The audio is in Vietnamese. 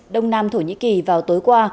đông nam thổ nhĩ kỳ vào tối qua